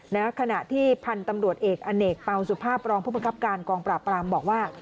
ขณะที่พันธุ์ตำรวจเอกอเนกเปล่าสุภาพรองผู้บังคับการกองปราบปรามบอกว่า